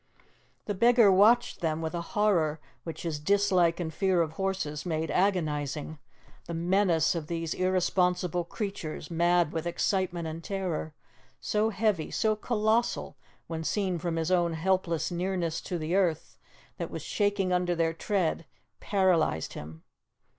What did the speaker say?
The beggar watched them with a horror which his dislike and fear of horses made agonizing, the menace of these irresponsible creatures, mad with excitement and terror, so heavy, so colossal when seen from his own helpless nearness to the earth that was shaking under their tread, paralyzed him.